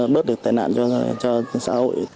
bớt được tài nạn cho xã hội